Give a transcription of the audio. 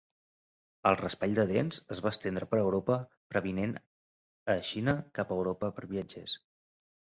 El raspall de dents es va estendre per Europa, previnent e Xina cap Europa per viatgers.